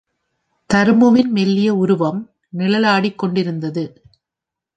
தருமுவின் மெல்லிய உருவம் நிழலாடிக் கொண்டிருந்தது.